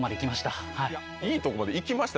「いい所まで行きました」